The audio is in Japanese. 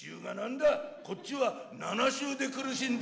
「こっちは７周で苦しんでるんだ」。